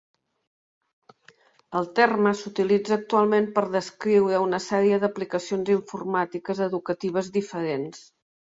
El terme s'utilitza actualment per descriure una sèrie d'aplicacions informàtiques educatives diferents.